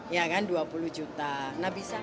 ya kan rp dua puluh juta